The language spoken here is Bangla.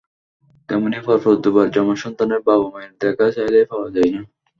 তেমনি পরপর দুবার যমজ সন্তানের বাবা-মায়ের দেখা চাইলেই পাওয়া যাওয়া না।